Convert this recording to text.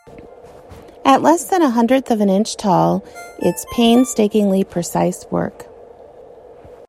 At less than a hundredth of an inch tall, it's painstakingly precise work.